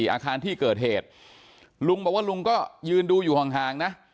อาคารที่เกิดเหตุลุงบอกว่าลุงก็ยืนดูอยู่ห่างนะ